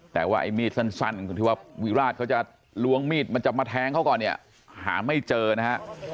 แต่ว่ามีดสั้นวิราชเขาจะลวงมีดมาจับมาแทงเขาก่อนเนี่ยหาไม่เจอนะฮะ